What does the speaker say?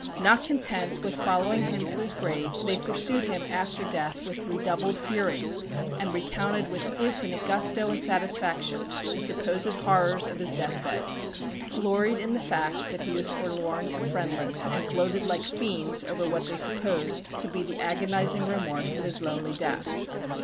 Not content with following him to his grave, they pursued him after death with redoubled fury, and recounted with infinite gusto and satisfaction the supposed horrors of his death bed; gloried in the fact that he was forlorn and friendless, and gloated like fiends over what they supposed to be the agonizing remorse of his lonely death.